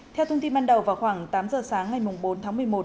theo thông tin ban đầu vào khoảng tám giờ sáng ngày bốn tháng một mươi một